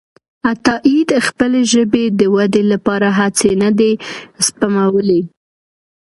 عطاييد خپلې ژبې د ودې لپاره هڅې نه دي سپمولي.